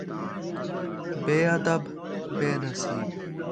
بے ادب ، بے نصیب